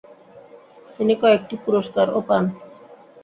তিনি কয়েকটি পুরস্কারও পান।